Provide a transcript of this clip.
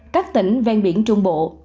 hai các tỉnh ven biển trung bộ